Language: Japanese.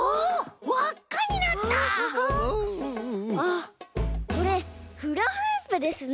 あっこれフラフープですね。